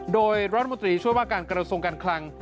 โดยรัฐมนตรีช่วยว่าการกระทรวงการคลัง